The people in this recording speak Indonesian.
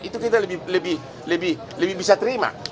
itu kita lebih bisa terima